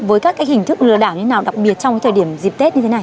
với các hình thức lừa đảo như thế nào đặc biệt trong thời điểm dịp tết như thế này